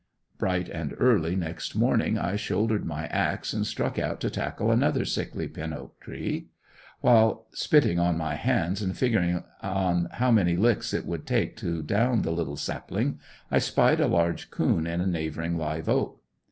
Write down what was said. Bright and early next morning I shouldered my axe and struck out to tackle another sickly pin oak tree. While spitting on my hands and figuring on how many licks it would take to down the little sapling, I spied a large coon in a neighboring live oak.